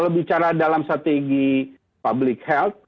kalau bicara dalam strategi public health